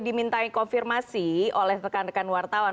dimintai konfirmasi oleh rekan rekan wartawan